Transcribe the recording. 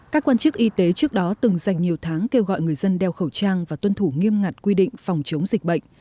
các quan chức y tế trước đó từng dành nhiều tháng kêu gọi người dân đeo khẩu trang và tuân thủ nghiêm ngặt quy định phòng chống dịch bệnh